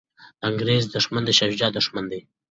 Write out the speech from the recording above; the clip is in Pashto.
د انګریز دښمن د شاه شجاع دښمن دی.